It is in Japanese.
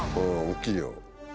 大きいよ。